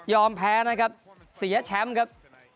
ยอมแพ้นะครับเสียแชมป์